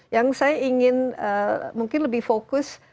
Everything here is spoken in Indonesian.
yang saya ingin mungkin lebih fokus